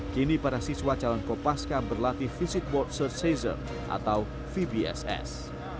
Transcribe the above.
kini para siswa calon kopaska berlatih fisik board search season atau vbss